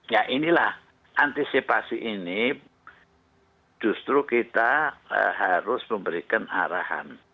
ya inilah antisipasi ini justru kita harus memberikan arahan